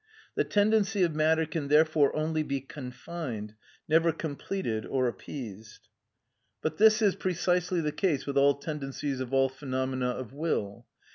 The tendency of matter can therefore only be confined, never completed or appeased. But this is precisely the case with all tendencies of all phenomena of will.